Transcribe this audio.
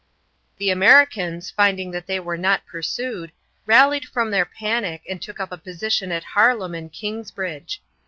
The Americans, finding that they were not pursued, rallied from their panic and took up a position at Harlem and Kingsbridge.